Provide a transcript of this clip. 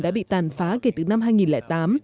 đã bị tàn phá kể từ năm hai nghìn tám